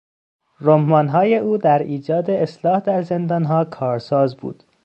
رمانهای او در ایجاد اصلاح در زندانها کارساز بود.